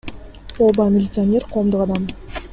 Ооба, милиционер — коомдук адам.